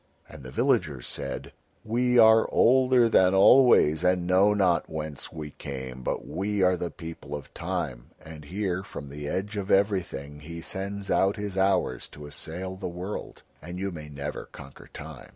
And the villagers said: "We are older than always, and know not whence we came, but we are the people of Time, and here from the Edge of Everything he sends out his hours to assail the world, and you may never conquer Time."